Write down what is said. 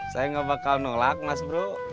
saya gak bakal nolak mas bro